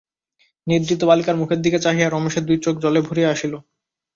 নিদ্রিত বালিকার মুখের দিকে চাহিয়া রমেশের দুই চোখ জলে ভরিয়া আসিল।